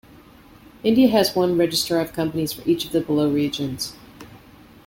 India has one registrar of companies for each of the below regions.